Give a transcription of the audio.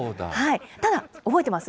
ただ、覚えてます？